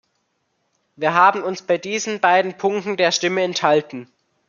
Wir haben uns bei diesen beiden Punkten der Stimme enthalten.